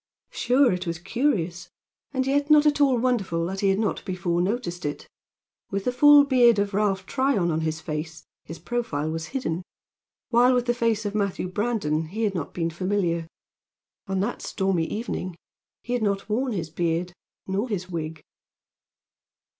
Sure, it was curious; and yet not at all wonderful that he had not before noticed it. With the full beard of Ralph Tryon on his face, his profile was hidden; while with the face of Matthew Brandon he had not been familiar. On that stormy evening he had not worn his beard nor his wig.